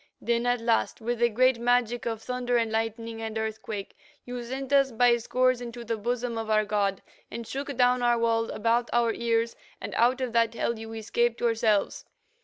Then, at last, with a great magic of thunder and lightning and earthquake, you sent us by scores into the bosom of our god, and shook down our walls about our ears and out of that hell you escaped yourselves.